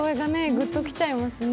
ぐっときちゃいますね。